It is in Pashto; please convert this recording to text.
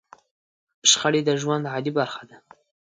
شخړې د ژوند عادي برخه ده.